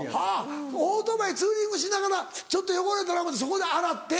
オートバイツーリングしながらちょっと汚れたらそこで洗って。